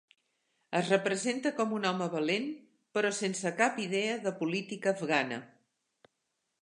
Es representa com un home valent, però sense cap idea de política afgana.